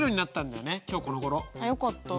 あよかった。